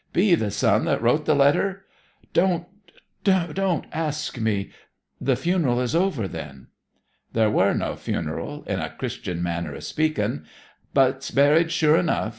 Be you the son that wrote the letter ' 'Don't don't ask me. The funeral is over, then?' 'There wer no funeral, in a Christen manner of speaking. But's buried, sure enough.